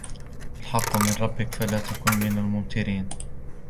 الحق من ربك فلا تكن من الممترين